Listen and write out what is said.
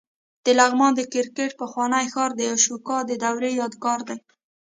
د لغمان د کرکټ پخوانی ښار د اشوکا د دورې یادګار دی